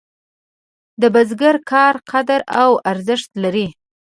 د بزګر کار قدر او ارزښت لري.